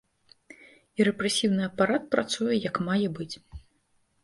І рэпрэсіўны апарат працуе як мае быць.